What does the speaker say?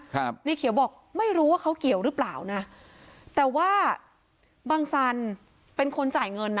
ครับในเขียวบอกไม่รู้ว่าเขาเกี่ยวหรือเปล่านะแต่ว่าบังสันเป็นคนจ่ายเงินนะ